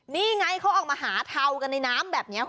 นี่ไงเขาออกมาหาเทากันในน้ำแบบนี้คุณ